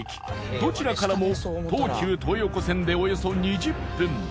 どちらからも東急東横線でおよそ２０分。